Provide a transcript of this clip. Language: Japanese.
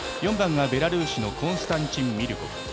４番がベラルーシのコンスタンチン・ミリュコフ。